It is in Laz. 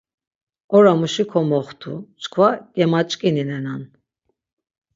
Oramuşi komoxtu, çkva gemaç̌ǩininenan.